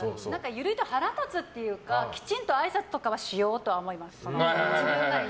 緩いと腹が立つというかきちんと、あいさつとかはしようとは思います。